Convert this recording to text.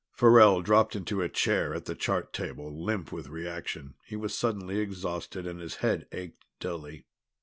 Farrell dropped into a chair at the chart table, limp with reaction. He was suddenly exhausted, and his head ached dully.